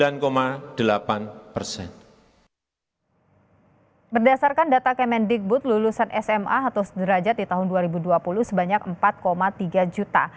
negara baru diangka sebanyak empat tiga juta